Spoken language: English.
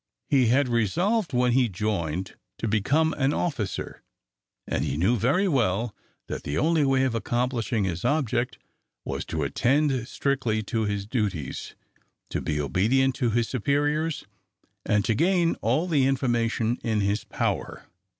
He had resolved when he joined to become an officer, and he knew very well that the only way of accomplishing his object was to attend strictly to his duties, to be obedient to his superiors, and to gain all the information in his power.